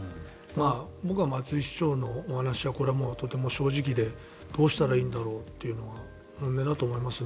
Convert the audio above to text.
僕は松井市長のお話はこれはとても正直でどうしたらいいんだろうっていうのが本音だと思いますね。